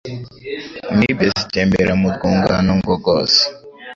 Amibe zitembera mu rwungano ngogozi